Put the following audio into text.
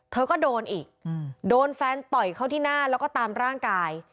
เธอก็โดนอีกโดนแฟนต่อยเข้าที่หน้าแล้วก็ตามร่างกาย